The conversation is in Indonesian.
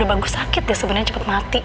udah bagus sakit deh sebenernya cepet mati